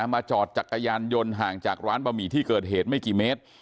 มาจอดจักรยานยนต์ห่างจากร้านบะหมี่ที่เกิดเหตุไม่กี่เมตร